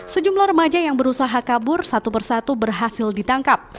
sejumlah remaja yang berusaha kabur satu persatu berhasil ditangkap